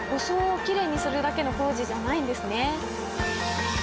装をきれいにするだけの工事じゃないんですね。